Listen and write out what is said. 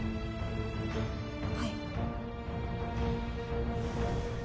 はい。